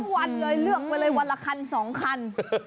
วันเลยเลือกไปเลยวันละคัน๒คัน